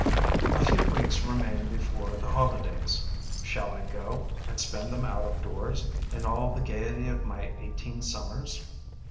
A few weeks remain before the holidays. Shall I go and spend them out of doors, in all the gaiety of my eighteen summers?